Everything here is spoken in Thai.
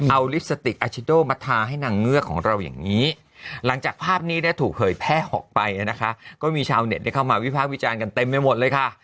เอาลิปสติกอาชิโดมาทาให้นางเงือกของเราอย่างนี้หลังจากภาพนี้เนี่ยถูกเผยแพร่ออกไปนะคะก็มีชาวเน็ตได้เข้ามาวิภาควิจารณ์กันเต็มไปหมดเลยค่ะ